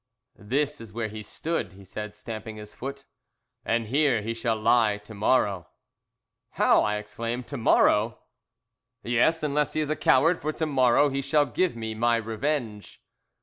"This is where he stood," he said, stamping his foot, "and here he shall lie to morrow." "How!" I exclaimed. "To morrow!" "Yes, unless he is a coward. For to morrow he shall give me my revenge."